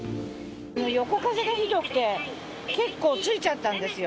横風がひどくて、結構ついちゃったんですよ。